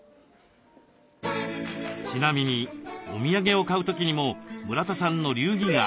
ちなみにお土産を買う時にも村田さんの流儀があります。